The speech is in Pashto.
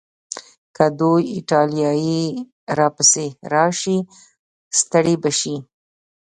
که دوی ایټالیې ته راپسې راشي، ستړي به شي.